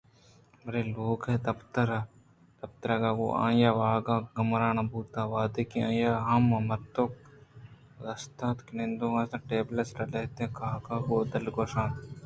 بلئے لوگ ءِ پترگ ءَ گوں آئی ءِ واہگ گیمراں بوت اَنت وہدے کہ آئیءَ ہمامردک دیست کہ نندوک اَت ءُٹیبل ءِ سرا لہتیں کاگداں گوں دلگوش اَت